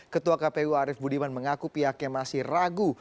ketua kpu arief budiman mengaku pihaknya masih ragu